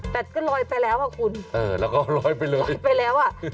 แต่ก็ลอยไปแล้วอ่ะคุณเออแล้วก็ลอยไปเลยลอยไปแล้วอ่ะ